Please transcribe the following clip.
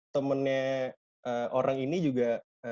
temennya orang ini juga